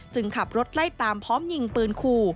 ขับรถไล่ตามพร้อมยิงปืนคู่